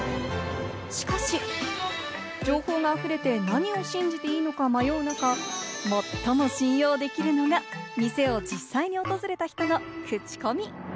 しかし情報があふれて何を信じていいのか迷う中、最も信用できるのが店を実際に訪れた人のクチコミ。